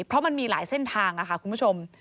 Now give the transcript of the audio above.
เพราะมันมีหลายเส้นทางค่ะคุณผู้ชม